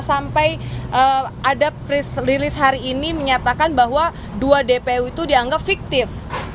sampai ada rilis hari ini menyatakan bahwa dua dpo itu dianggap fiktif